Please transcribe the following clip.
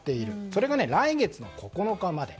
それが来月９日まで。